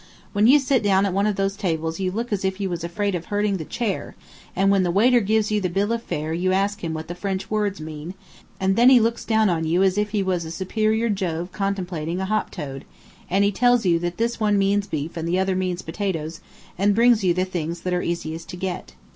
When you sit down at one of those tables you look as if you was afraid of hurting the chair, and when the waiter gives you the bill of fare you ask him what the French words mean, and then he looks down on you as if he was a superior Jove contemplating a hop toad, and he tells you that this one means beef and the other means potatoes, and brings you the things that are easiest to get.